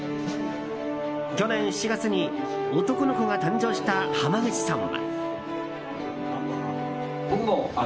去年７月に男の子が誕生した濱口さんは。